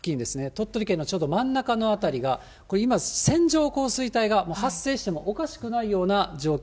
鳥取県のちょうど真ん中の辺りが、これ、今、線状降水帯が発生してもおかしくないような状況。